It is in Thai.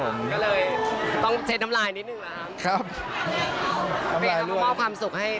ก็เลยต้องเช็คน้ำลายนิดหนึ่งหรอครับ